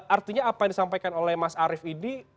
artinya apa yang disampaikan oleh mas arief ini